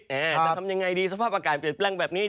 จะทำยังไงดีสภาพอากาศเปลี่ยนแปลงแบบนี้